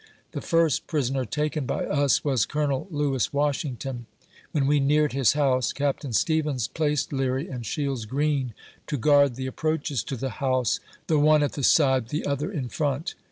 The first prisoner taken by us was Colonel Lewis Washington. When we neared his house, Capt. Stevens placed Leary and Shields Green to guard the approaches to the house, the one at the side, the other in front.